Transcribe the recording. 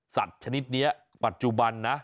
สัตว์ชนิดนี้ปัจจุบันนะ